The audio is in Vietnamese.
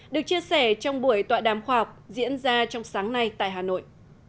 được chia sẻ trong buổi tọa đàm khoa học diễn ra trong sáng nay tại hà nội